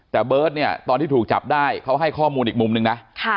แต่เบิร์ตเนี่ยตอนที่ถูกจับได้เขาให้ข้อมูลอีกมุมนึงนะ